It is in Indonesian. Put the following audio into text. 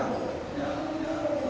terhubung ke penegakan di bagian penjajah